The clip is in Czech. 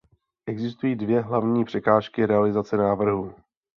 Existují dvě hlavní překážky realizace návrhu.